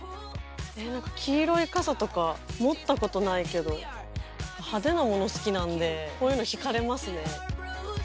何か黄色い傘とか持ったことないけど派手なもの好きなんでこういうの引かれますね。